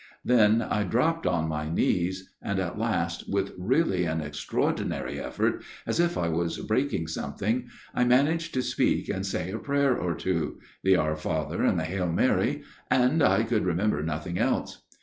" Then I dropped on my knees ; and at last, with really an extraordinary effort, as if I was breaking something, I managed to speak and say\ a prayer or two, the Our Father and the Hail\ Mary I could remember nothing else.